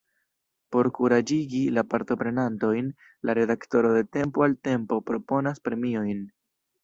Por kuraĝigi la partoprenantojn, la redaktoro de tempo al tempo proponas premiojn.